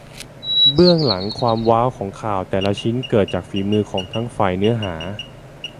เบื้องหลังความว้าวของข่าวแต่ละชิ้นเกิดจากฝีมือของทั้งฝ่ายเนื้อหา